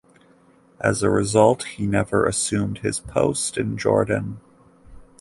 As a result, he never assumed his post in Jordan.